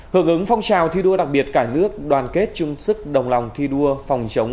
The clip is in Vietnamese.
hưởng ứng phong trào thi đua đặc biệt cả nước đoàn kết chung sức đồng lòng thi đua phòng chống